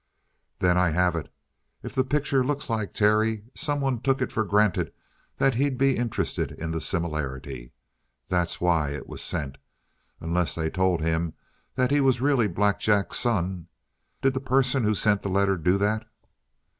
"Then I have it! If the picture looks like Terry, someone took it for granted that he'd be interested in the similarity. That's why it was sent. Unless they told him that he was really Black Jack's son. Did the person who sent the letter do that?"